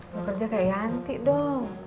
mau kerja kayak yanti dong